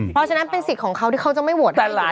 เพราะฉะนั้นเป็นสิทธิ์ของเขาที่เขาจะไม่โหวตด้านหลัง